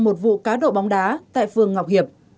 một vụ cá độ bóng đá tại phường ngọc hiệp